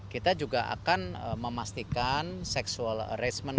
kita juga akan memastikan sexual arrangement